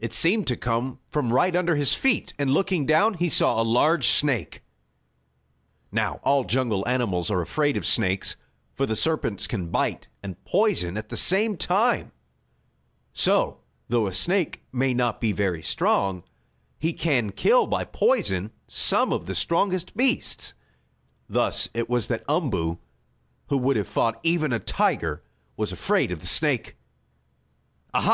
It seemed to come from right under his feet, and, looking down, he saw a large snake. Now all jungle animals are afraid of snakes for the serpents can bite and poison at the same time. So though a snake may not be very strong, he can kill by poison some of the strongest beasts. Thus it was that Umboo, who would have fought even a tiger, was afraid of the snake. "Ah, ha!